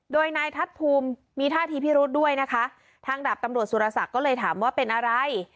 โดยนายทัศน์ภูมิมีท่าทีพิรุธด้วยนะคะทางดาบตำรวจสุรศักดิ์ก็เลยถามว่าเป็นอะไร